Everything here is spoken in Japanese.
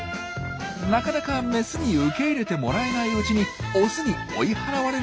なかなかメスに受け入れてもらえないうちにオスに追い払われることもあります。